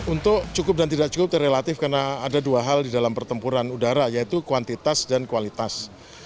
untuk cukup dan tidak cukup relatif karena ada dua hal di dalam pertempuran udara yaitu kuantitas dan kualitas